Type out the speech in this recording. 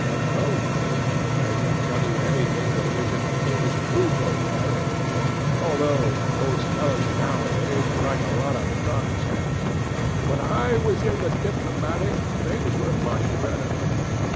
"Well, I can tell you anything that is in an English Blue Book, Harry, although those fellows nowadays write a lot of nonsense. When I was in the Diplomatic, things were much better.